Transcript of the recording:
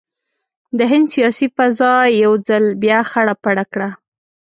د هند سیاسي فضا یو ځل بیا خړه پړه کړه.